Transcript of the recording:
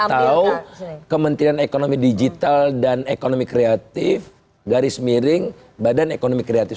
atau kementerian ekonomi digital dan ekonomi kreatif garis miring badan ekonomi kreatif